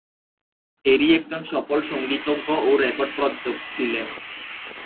টেরি একজন সফল সঙ্গীতজ্ঞ ও রেকর্ড প্রযোজক ছিলেন।